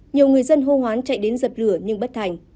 nhiều người dân hô hoán chạy đến dập lửa nhưng bất thành